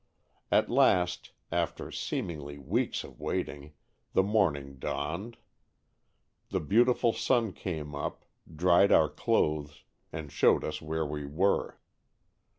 At last, after seemingly weeks of waiting, the morning dawned ; the beautiful sun came up, dried our clothes and showed us where we were.